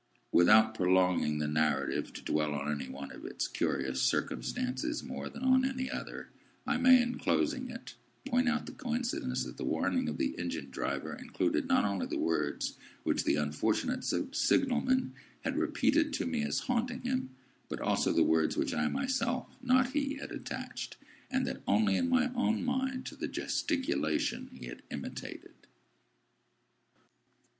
Without prolonging the narrative to dwell on any one of its curious circumstances more than on any other, I may, in closing it, point out the coincidence that the warning of the Engine Driver included, not only the words which the unfortunate Signal man had repeated to me as haunting him, but also the words which I myself—not he—had attached, and that only in my own mind, to the gesticulation he had imitated.